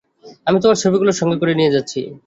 আমি তোমার ছবিগুলি সঙ্গে করে নিয়ে যাচ্ছি।